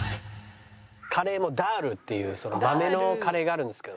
カレーもダールっていう豆のカレーがあるんですけど。